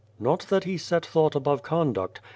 " Not that he set thought above conduct.